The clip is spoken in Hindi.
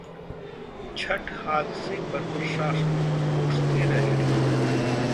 छठ हादसे पर प्रशासन को कोसते रहे लोग